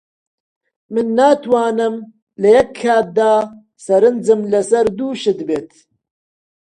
من ناتوانم لە یەک کاتدا سەرنجم لەسەر دوو شت بێت.